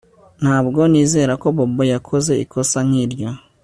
Ntabwo nizera ko Bobo yakoze ikosa nkiryo